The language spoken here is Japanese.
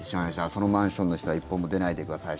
そのマンションの人は一歩も出ないでください。